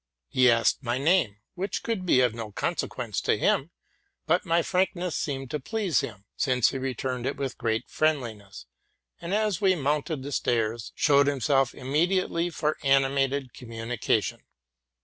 He asked my name, which could be of no conse quence to him; but my frankness seemed to please him, since he returned it with great friendliness, and, as we mounted the stairs, showed himself ready immediately for animated com munication.